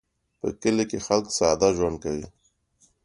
په کلي کې خلک ساده ژوند کوي